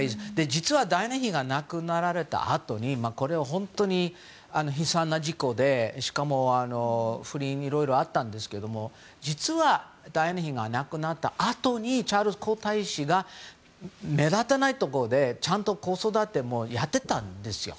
実は、ダイアナ妃が亡くなられたあとにこれは本当に悲惨な事故でしかも不倫などいろいろあったんですが実は、ダイアナ妃が亡くなったあとにチャールズ皇太子が目立たないところで、ちゃんと子育てもやってたんですよ。